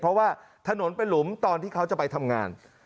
เพราะว่าถนนเป็นหลุมตอนที่เขาจะไปทำงาน